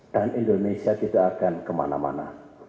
dan indonesia tidak akan kemana mana